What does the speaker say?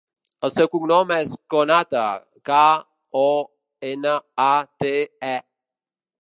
El seu cognom és Konate: ca, o, ena, a, te, e.